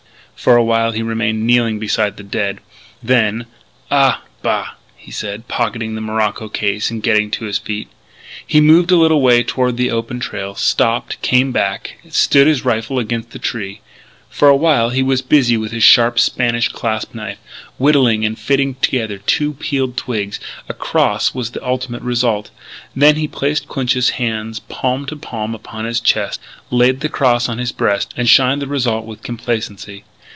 For a while he remained kneeling beside the dead. Then: "Ah, bah," he said, pocketing the morocco case and getting to his feet. He moved a little way toward the open trail, stopped, came back, stood his rifle against a tree. For a while he was busy with his sharp Spanish clasp knife, whittling and fitting together two peeled twigs. A cross was the ultimate result. Then he placed Clinch's hands palm to palm upon his chest, laid the cross on his breast, and shined the result with complacency.